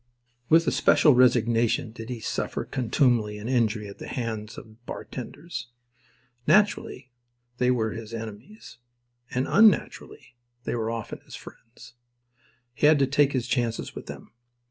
With especial resignation did he suffer contumely and injury at the hands of bartenders. Naturally, they were his enemies; and unnaturally, they were often his friends. He had to take his chances with them.